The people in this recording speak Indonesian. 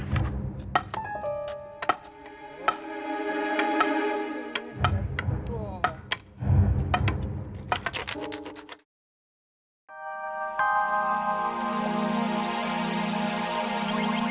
pasti ada dia nih